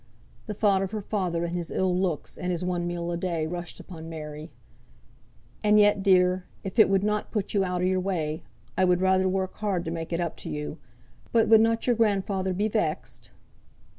(The thought of her father, and his ill looks, and his one meal a day, rushed upon Mary.) "And yet, dear, if it would not put you out o' your way, I would work hard to make it up to you; but would not your grandfather be vexed?"